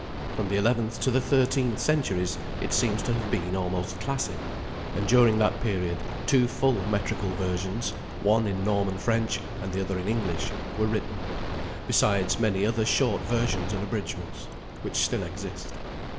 From the eleventh to the thirteenth centuries it seems to have been almost classic; and during that period two full metrical versions one in Norman French and the other in English were written, besides many other short versions and abridgments, which still exist.